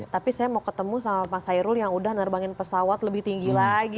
tapi saya mau ketemu sama pak hairul yang udah nerbangin pesawat lebih tinggi lagi